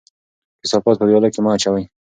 کثافات په ویاله کې مه اچوئ.